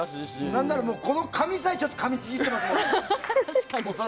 何ならこの紙さえ恐らくかみちぎってますもん。